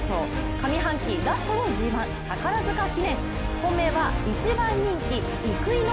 上半期ラストのＧⅠ宝塚記念。